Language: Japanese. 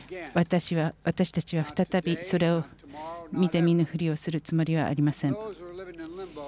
私たちは再びそれを見てみぬふりをするつもりはありません。